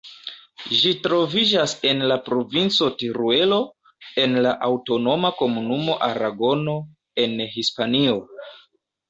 Ĝi troviĝas en la provinco Teruelo, en la aŭtonoma komunumo Aragono, en Hispanio.